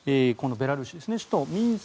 ベラルーシですね。